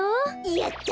やった！